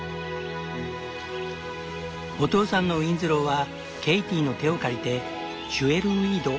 お父さんのウィンズローはケイティの手を借りてジュエルウィード